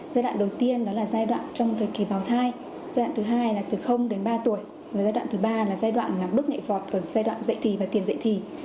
giai đoạn đầu tiên đó là giai đoạn trong thời kỳ bào thai giai đoạn thứ hai là từ đến ba tuổi và giai đoạn thứ ba là giai đoạn bước nhạ vọt giai đoạn dạy thì và tiền dạy thì